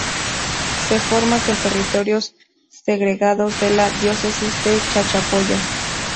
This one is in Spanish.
Se forma con territorios segregados de la Diócesis de Chachapoyas.